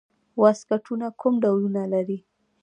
واسکټونه کوم ډولونه لري؟